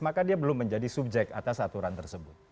maka dia belum menjadi subjek atas aturan tersebut